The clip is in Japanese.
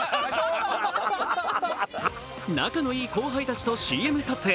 仲のいい後輩たちとＣＭ撮影。